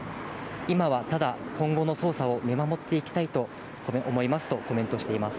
今はただ、今後の捜査を見守っていきたいと思いますとコメントしています。